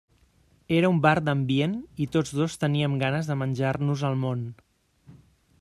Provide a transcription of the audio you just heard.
Era un bar d'ambient i tots dos teníem ganes de menjar-nos el món.